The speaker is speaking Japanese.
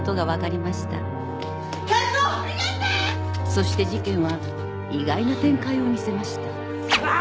［そして事件は意外な展開を見せました］